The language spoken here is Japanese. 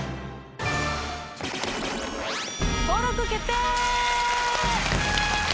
登録決定！